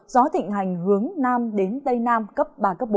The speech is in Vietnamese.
gió thịnh hành hướng nam đến tây nam cấp ba cấp bốn